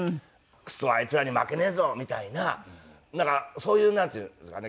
クソあいつらに負けねえぞみたいなそういうなんていうんですかね